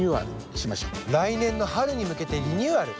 来年の春に向けてリニューアル？